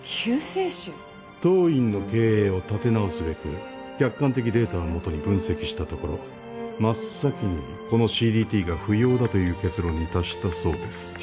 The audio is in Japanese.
当院の経営を立て直すべく客観的データを基に分析したところ真っ先にこのＣＤＴが不要だという結論に達したそうです。